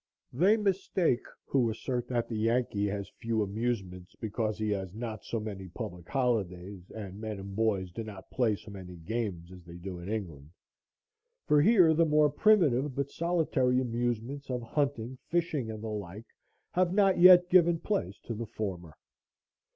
They mistake who assert that the Yankee has few amusements, because he has not so many public holidays, and men and boys do not play so many games as they do in England, for here the more primitive but solitary amusements of hunting fishing and the like have not yet given place to the former.